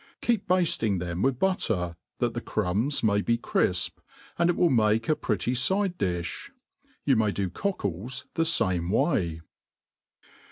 Keep bafting them with butter, that the crumbs may be ctifp^ and it will make a pretty fide diih. You may do cockles the fame way.